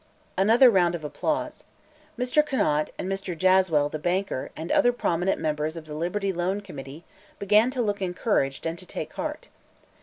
Another round of applause. Mr. Conant, and Mr. Jaswell, the banker, and other prominent members of the Liberty Loan Committee began to look encouraged and to take heart.